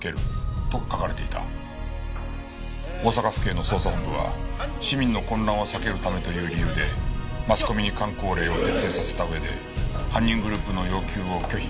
大阪府警の捜査本部は市民の混乱を避けるためという理由でマスコミにかん口令を徹底させたうえで犯人グループの要求を拒否。